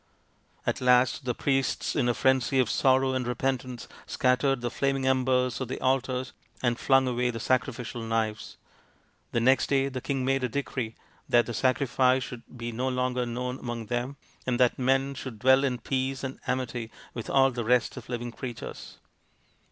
At last the priests in a frenzy of sorrow and repentance scattered the flaming embers from the altars and flung away the sacrificial knives ; and next day the king made a decree that the sacrifice should be no longer known among them, and that men should dwell in peace and amity with all the rest of living creatures.